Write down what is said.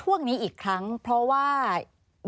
อันดับสุดท้าย